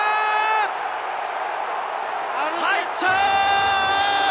入った！